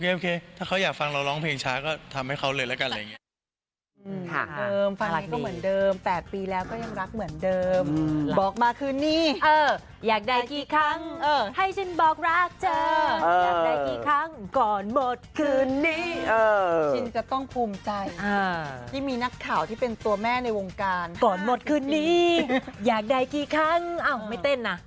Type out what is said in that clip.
โอเคถ้าเขาอยากฟังเราร้องเพลงช้าก็ทำให้เขาเลยแล้วกันอะไรอย่างนี้